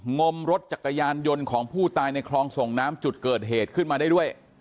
งมรถจักรยานยนต์ของผู้ตายในคลองส่งน้ำจุดเกิดเหตุขึ้นมาได้ด้วย